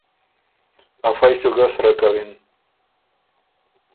افئ سُو ګه سرۀ کوِن۔